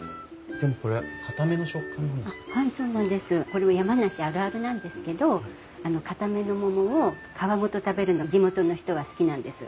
これは山梨あるあるなんですけどかための桃を皮ごと食べるの地元の人は好きなんです。